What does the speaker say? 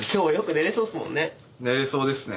寝れそうですね。